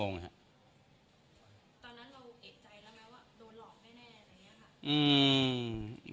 ตอนนั้นเราเอกใจแล้วไหมว่าโดนหลอกแน่อะไรอย่างนี้ค่ะ